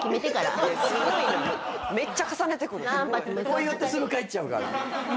こう言ってすぐ帰っちゃうから。